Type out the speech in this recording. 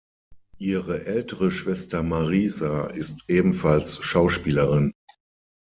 Ihre ältere Schwester Marisa ist ebenfalls Schauspielerin.